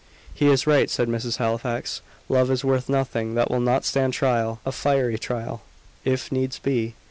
"He is right," said Mrs. Halifax. "Love is worth nothing that will not stand trial a fiery trial, if needs be.